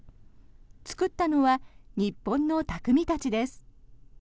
作ったのは日本の匠たちです。